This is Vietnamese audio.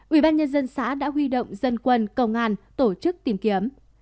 ubnd xã đã huy động dân quân công an tổ chức tìm kiếm